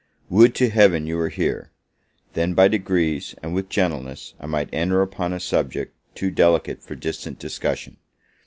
Would to Heaven you were here! then, by degrees, and with gentleness, I might enter upon a subject too delicate for distant discussion.